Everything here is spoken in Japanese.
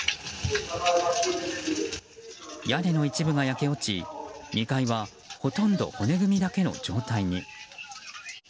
屋根の一部が焼け落ち、２階はほとんど骨組みだけの状態に。